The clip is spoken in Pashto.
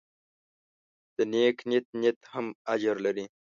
د نیک نیت نیت هم اجر لري.